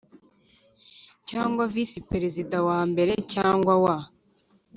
cyangwa visi perezida wa mbere cyangwa uwa